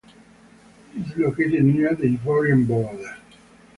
It is located near the Ivorian border.